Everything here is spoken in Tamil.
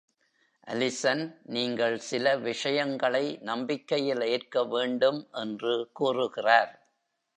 அலிசன் "நீங்கள் சில விஷயங்களை நம்பிக்கையில் ஏற்கவேண்டும்" என்று கூறுகிறார்.